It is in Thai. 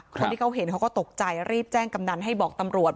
คนที่เขาเห็นเขาก็ตกใจรีบแจ้งกำนันให้บอกตำรวจ